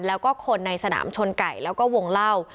แล้วก็คนในสนามชนไก่แล้วก็วงเล่า